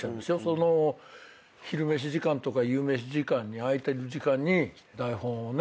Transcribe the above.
その昼飯時間とか夕飯時間に空いてる時間に台本をね